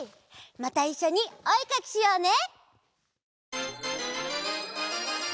またいっしょにおえかきしようね！